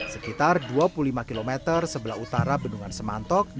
sekitar dua puluh lima km sebelah utara bendungan semantok